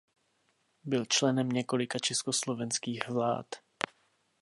Byl členem několika československých vlád.